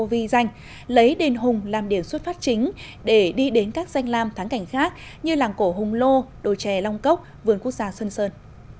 ghi danh lấy đền hùng làm điểm xuất phát chính để đi đến các danh lam tháng cảnh khác như làng cổ hùng lô đồi trè long cốc vườn quốc gia xuân sơn